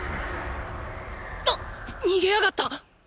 あっ⁉逃げやがった！